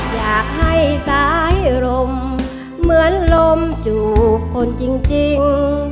อยากให้สายลมเหมือนลมจูบคนจริง